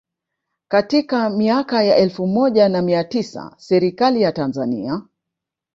Katika miaka ya elfu moja na mia tisa Serikali ya Tanzania